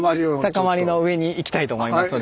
高まりの上に行きたいと思いますので。